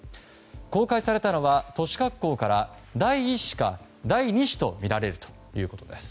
公開されたのは年格好から、第１子か第２子とみられるということです。